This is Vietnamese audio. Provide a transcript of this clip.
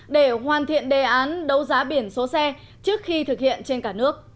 để hoàn thiện đề án đấu giá biển số xe trước khi thực hiện trên cả nước